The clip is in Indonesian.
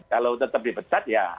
kalau tetap dipecat ya